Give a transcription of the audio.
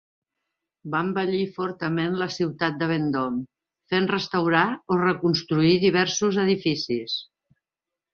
Va embellir fortament la ciutat de Vendôme, fent restaurar o reconstruir diversos edificis.